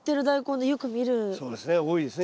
そうですね多いですね